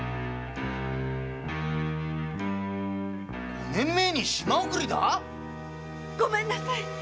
五年前に島送りだぁ⁉ごめんなさい！